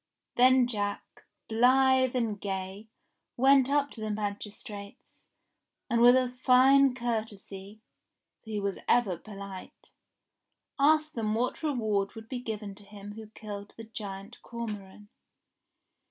Then Jack, blithe and gay, went up to the magistrates, and with a fine courtesy — for he was ever polite — asked them what re ward would be given to him who killed the giant Cormoran ?